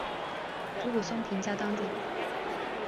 竹谷松平家当主。